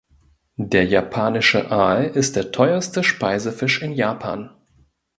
Der japanische Aal ist der teuerste Speisefisch in Japan.